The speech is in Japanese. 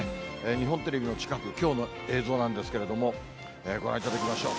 日本テレビの近く、きょうの映像なんですけれども、ご覧いただきましょう。